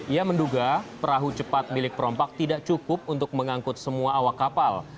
ia menduga perahu cepat milik perompak tidak cukup untuk mengangkut semua awak kapal